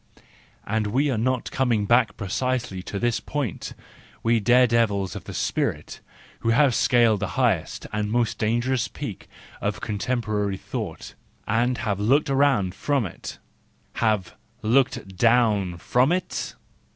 And are we not coming back precisely to this point, we dare devils of the spirit, who have scaled the highest and most dangerous peak of contem¬ porary thought, and have looked around us from it, have looked down from it